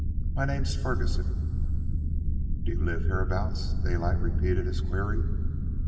My name's Ferguson." "Do you live hereabouts?" Daylight repeated his query.